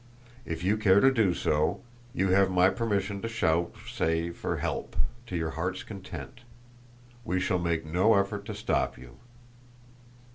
If you care to do so, you have my permission to shout, say, for help, to your heart's content. We shall make no effort to stop you."